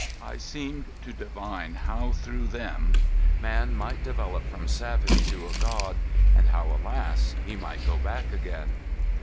I seemed to divine how through them man might develop from savage to a god, and how alas! he might go back again.